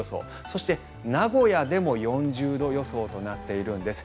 そして、名古屋でも４０度予想となっているんです。